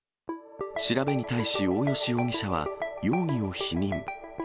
調べに対し、大吉容疑者は容疑を否認。